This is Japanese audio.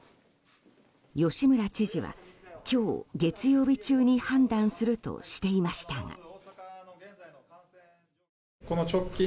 吉村知事は今日、月曜日中に判断するとしていましたが。